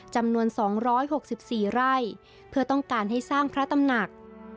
จำนวน๒๖๔ไร่เพื่อต้องการให้สร้างพระตำหนัก